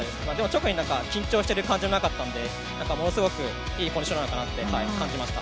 特に緊張している感じもなかったのでものすごくいいコンディショニングなのかなと思いました。